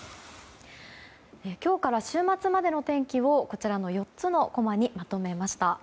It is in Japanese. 今日から週末までの天気をこちらの４つのコマにまとめました。